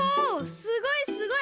すごいすごい！